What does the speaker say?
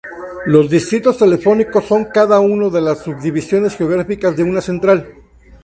Los distritos telefónicos son cada una de las subdivisiones geográficas de una central.